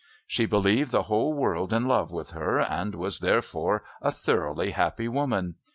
She believed the whole world in love with her and was therefore a thoroughly happy woman.